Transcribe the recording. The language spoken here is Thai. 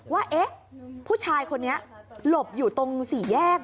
ว่าเอ๊ะผู้ชายคนนี้หลบอยู่ตรงสี่แยก